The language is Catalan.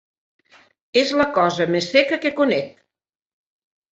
És la cosa més seca que conec.